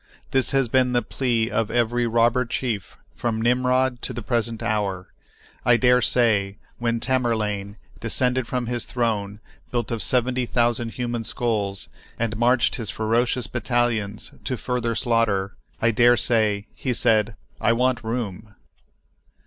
This has been the plea of every robber chief from Nimrod to the present hour. I dare say, when Tamerlane descended from his throne built of seventy thousand human skulls, and marched his ferocious battalions to further slaughter, I dare say he said, "I want room."